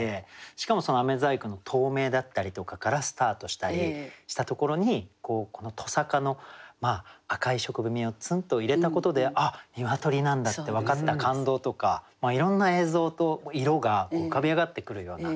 しかもその細工の透明だったりとかからスタートしたりしたところにこの鶏冠の赤い食紅をツンと入れたことで「あっ鶏なんだ」って分かった感動とかいろんな映像と色が浮かび上がってくるような。